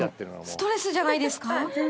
ストレスじゃないですか？